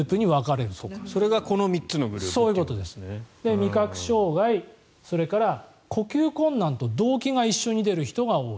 味覚障害、それから呼吸困難と動悸が一緒に出る人が多い。